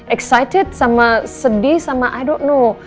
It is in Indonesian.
excited sama sedih sama i don't know